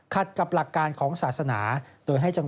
ขัดกับหลักการของศาสนา